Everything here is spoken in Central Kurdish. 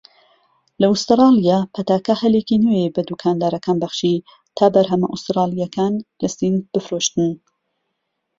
لە ئوستراڵیا، پەتاکە هەلێکی نوێی بە دوکاندارەکان بەخشی تا بەرهەمە ئوستڕاڵیەکان لە سین بفرۆشتن.